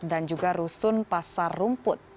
dan juga rusun pasar rumput